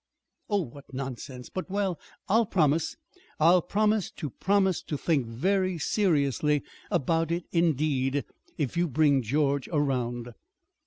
"Oh, what nonsense but, well, I'll promise I'll promise to promise to think very seriously about it indeed, if you bring George around."